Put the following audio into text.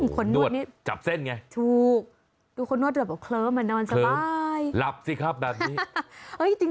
ขนนวดนี่จับเส้นไงถูกดูคนนวดแบบเคลิ้มอ่ะนอนสบายหลับสิครับแบบนี้